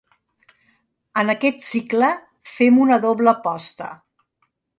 En aquest cicle fem una doble aposta.